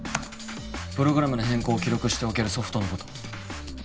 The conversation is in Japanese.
プログラムの変更を記録しておけるソフトのこと